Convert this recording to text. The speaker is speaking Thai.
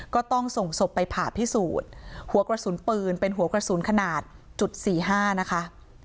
ก็ต้องส่งศพไปผ่าพิสูจน์หัวกระสุนปืนเป็นหัวกระสุนขนาดจุดสี่ห้านะคะ